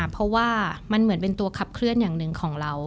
เพราะว่ามันเหมือนเป็นตัวขับเคลื่อนอย่างหนึ่งของเรา